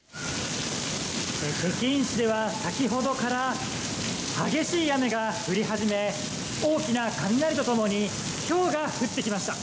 北京市では先ほどから、激しい雨が降り始め、大きな雷とともに、ひょうが降ってきました。